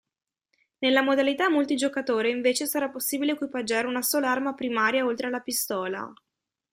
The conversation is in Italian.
Nella modalità multigiocatore invece sarà possibile equipaggiare una sola arma primaria oltre alla pistola.